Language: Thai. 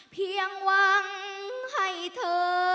เพียงหวังให้เธอ